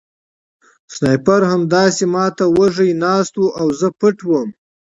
سنایپر همداسې ما ته وږی ناست و او زه پټ وم